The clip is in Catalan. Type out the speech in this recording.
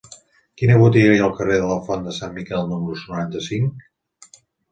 Quina botiga hi ha al carrer de la Font de Sant Miquel número noranta-cinc?